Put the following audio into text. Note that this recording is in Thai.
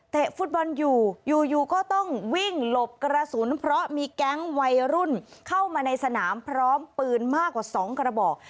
ฟุตบอลอยู่อยู่ก็ต้องวิ่งหลบกระสุนเพราะมีแก๊งวัยรุ่นเข้ามาในสนามพร้อมปืนมากกว่า๒กระบอก